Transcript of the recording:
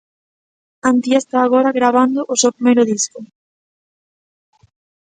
Antía está agora gravando o seu primeiro disco.